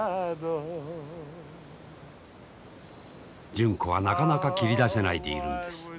純子はなかなか切り出せないでいるんです。